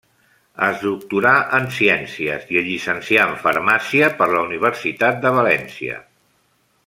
Es doctorà en ciències i es llicencià en farmàcia per la Universitat de València.